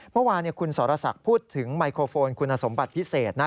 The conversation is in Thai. เมื่อวานคุณสรศักดิ์พูดถึงไมโครโฟนคุณสมบัติพิเศษนะ